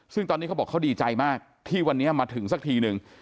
ซึ่งตอนนี้เขาบอกเขาดีใจมากที่วันนี้มาถึงสักทีนึง